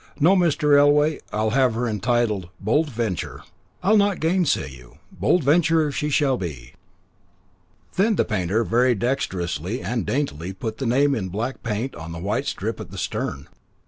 No, Mr. Elway, I'll have her entitled the Bold Venture." "I'll not gainsay you. Bold Venture she shall be." Then the painter very dexterously and daintily put the name in black paint on the white strip at the stern.